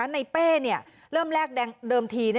เป้เริ่มแรกเดิมที